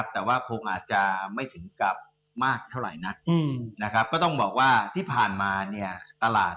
แต่ว่าคงอาจจะไม่ถึงกลับมากเท่าไหร่นะ